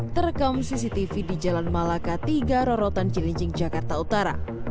terekam cctv di jalan malaka tiga rorotan cilincing jakarta utara